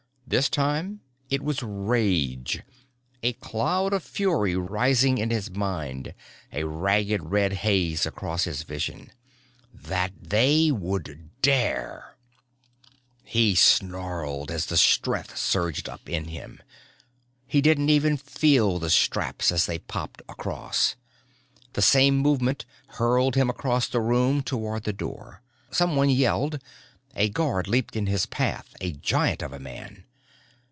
This time it was rage, a cloud of fury rising in his mind, a ragged red haze across his vision. That they would dare! He snarled as the strength surged up in him. He didn't even feel the straps as they popped across. The same movement hurtled him across the room toward the door. Someone yelled. A guard leaped in his path, a giant of a man.